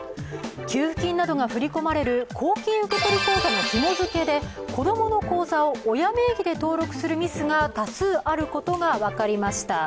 給付金などが振り込まれる公金受取口座のひも付けで子供の口座を親名義で登録するミスが多数あることが分かりました。